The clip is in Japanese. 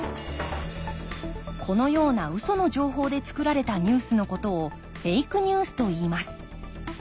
このようなウソの情報でつくられたニュースのことをフェイクニュースといいます。